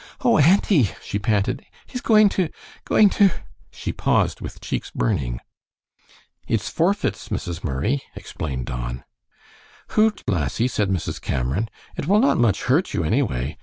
"Oh, auntie!" she panted, "he's going to going to " she paused, with cheeks burning. "It's forfeits, Mrs. Murray," explained Don. "Hoot, lassie," said Mrs. Cameron; "it will not much hurt you, anyway.